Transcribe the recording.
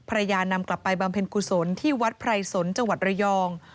นำกลับไปบำเพ็ญกุศลที่วัดไพรสนจังหวัดระยอง